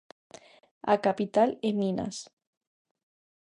A capital é Minas.